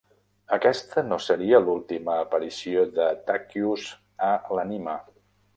Aquesta no seria l'última aparició de Takius a l'anime.